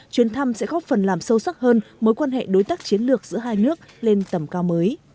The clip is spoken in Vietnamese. chuyến thăm sẽ góp phần làm sâu sắc hơn mối quan hệ đối tác chiến lược giữa hai nước lên tầm cao mới